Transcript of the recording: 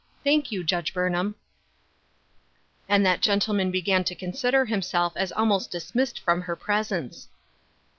Thank you. Judge Burnham." And that gentleman began to consider himself as almost dismissed from her presence.